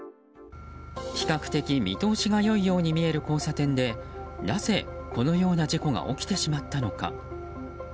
比較的見通しが良いように見える交差点でなぜ、このような事故が起きてしまったのか。